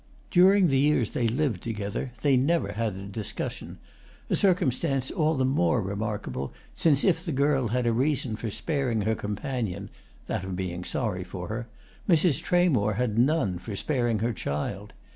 During the years they lived together they never had a discussion; a circumstance all the more remarkable since if the girl had a reason for sparing her companion (that of being sorry for her) Mrs. Tramore had none for sparing her child.